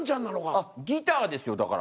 あっギターですよだから。